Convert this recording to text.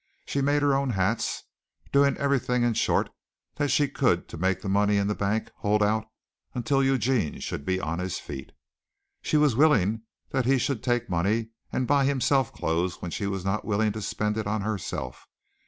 She made her own hats, doing everything in short that she could to make the money in the bank hold out until Eugene should be on his feet. She was willing that he should take money and buy himself clothes when she was not willing to spend it on herself.